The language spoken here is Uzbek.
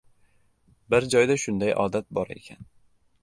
Bir joyda shunday odat bor ekan.